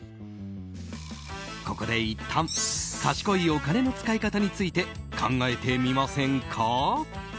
ここでいったん賢いお金の使い方について考えてみませんか？